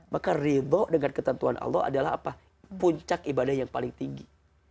maka ridho dengan ketentuan allah adalah apa puncak ibadah yang paling tinggi